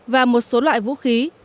và một số loại vũ khí